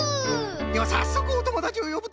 ではさっそくおともだちをよぶとしよう！